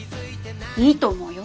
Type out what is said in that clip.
いいと思うよ。